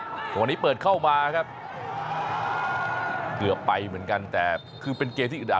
วันนี้เปิดเข้ามาครับเกือบไปเหมือนกันแต่คือเป็นเกมที่อุด